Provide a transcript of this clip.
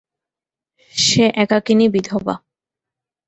সে একাকিনী বিধবা।